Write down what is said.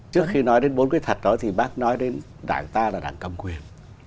trước khi nói đến bốn cái thật đó thì bác nói đến đảng ta là đảng cầm quyền